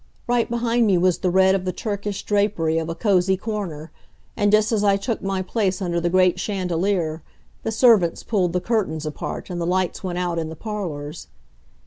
Right behind me was the red of the Turkish drapery of a cozy corner, and just as I took my place under the great chandelier, the servants pulled the curtains apart and the lights went out in the parlors.